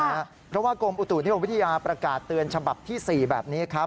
เพราะว่ากรมอุตุนิยมวิทยาประกาศเตือนฉบับที่๔แบบนี้ครับ